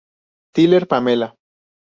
Tyler, Pamela.